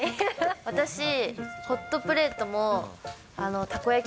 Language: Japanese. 私、ホットプレートもたこ焼き